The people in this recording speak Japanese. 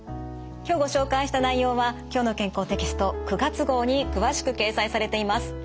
今日ご紹介した内容は「きょうの健康」テキスト９月号に詳しく掲載されています。